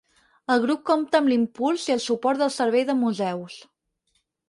El grup compta amb l'impuls i el suport del Servei de Museus.